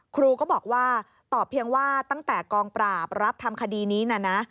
ครูก็บอกว่าตอบเพียงว่าตั้งแต่กองปราบรับทำคดีนี้นะนะ